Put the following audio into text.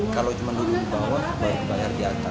kalau cuma duduk di bawah baru dibayar di atas